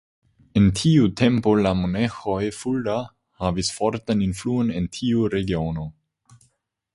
En tiu tempo la monaĥejo Fulda havis fortan influon en tiu regiono.